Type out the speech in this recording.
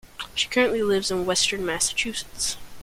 She currently lives in western Massachusetts.